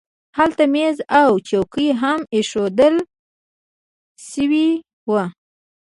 هلته مېز او څوکۍ هم اېښودل شوي وو